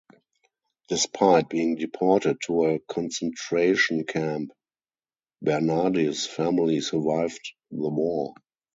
Despite being deported to a concentration camp, Bernardis's family survived the war.